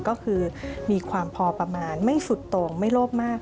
ก็คือมีความพอประมาณไม่สุดตรงไม่โลภมาก